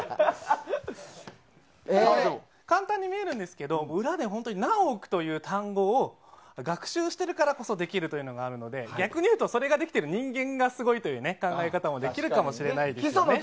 簡単に見えるんですけど裏で何億という単語を学習しているからこそできるというのがあるので逆に言うと、それができてる人間がすごいという考え方もできるかもしれませんね。